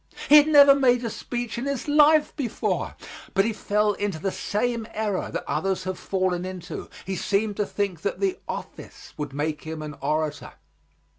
He had never made a speech in his life before, but he fell into the same error that others have fallen into, he seemed to think that the office would make him an orator.